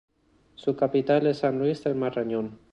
Su capital es San Luis del Marañón.